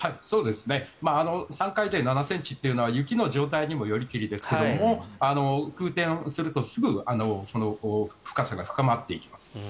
３回転、７ｃｍというのは雪の状況にもよりけりですが空転するとすぐ深さが深まっていきます。